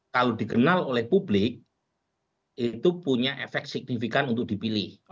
kalau dikenal oleh publik itu punya efek signifikan untuk dipilih